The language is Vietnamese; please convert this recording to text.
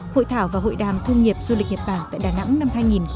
hội thảo và hội đàm thương nghiệp du lịch nhật bản tại đà nẵng năm hai nghìn một mươi chín